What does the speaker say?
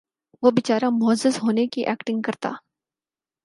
وہ بیچارہ معزز ہونے کی ایکٹنگ کرتا